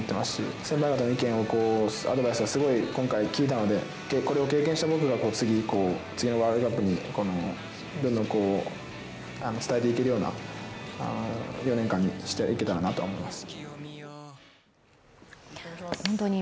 先輩方の意見を、アドバイスが今回効いたので、これを経験した僕が次のワールドカップにどんどん伝えていけるような４年間にしていけたらなと思います。